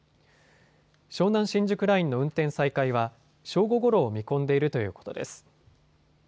湘南新宿ラインの運転再開は正午ごろを見込んでいるということです。